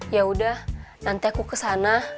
yaudah nanti aku kesana